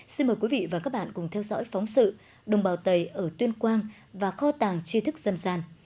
xin mời quý vị và các bạn cùng theo dõi phóng sự đồng bào tây ở tuyên quang và kho tàng tri thức dân gian